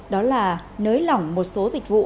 đó là nới lỏng một số dịch